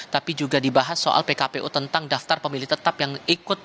tapi juga dibahas soal pkpu tentang daftar pemilih tetap yang ikut